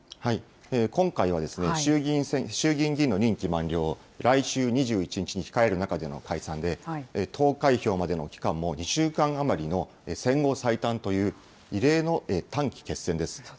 今回は、衆議院議員の任期満了を来週２１日に控える中での解散で、投開票までの期間も２週間余りの戦後最短という、異例の短期決戦です。